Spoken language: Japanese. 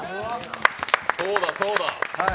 そうだそうだ。